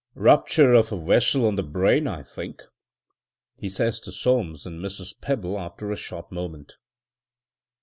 "Rupture of a vessel on the brain, I think," he says to Soames and Mrs. Pebble after a short moment.